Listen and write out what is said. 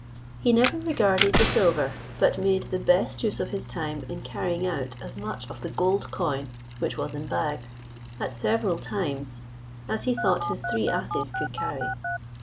He never regarded the silver, but made the best use of his time in carrying out as much of the gold coin, which was in bags, at several times, as he thought his three asses could carry.